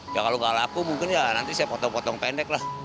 ya kalau nggak laku mungkin ya nanti saya potong potong pendek lah